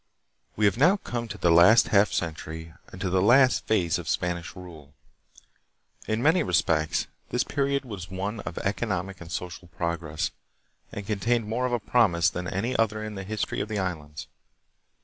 We have now come to the last half century and to the last phase of Spanish rule. In many respects this period was one of economic and social progress, and contained more of promise than any other in the history of the Islands.